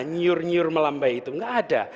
nyur nyur melambai itu tidak ada